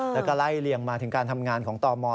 แล้วก็ไล่เลี่ยงมาถึงการทำงานของตม